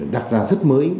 đặt ra rất mới